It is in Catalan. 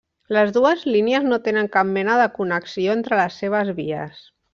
Les dues línies no tenen cap mena de connexió entre les seves vies.